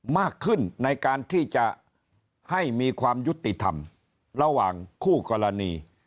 มากขึ้นในการที่จะให้มีความยุติธรรมระหว่างคู่กรณี